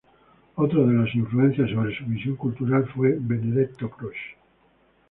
Otra de las influencias sobre su visión cultural fue Benedetto Croce.